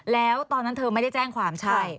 แล้วตอนนั้นเธอไม่ได้แจ้งความใช่